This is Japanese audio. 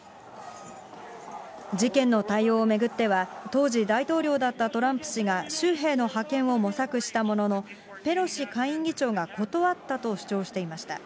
事件の対応を巡っては、当時、大統領だったトランプ氏が州兵の派遣を模索したものの、ペロシ下院議長が断ったと主張していました。